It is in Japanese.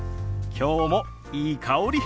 今日もいい香り！